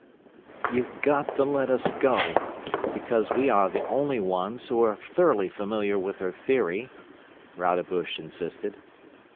"You've got to let us go; because we are the only ones who are thoroughly familiar with her theory," Rodebush insisted.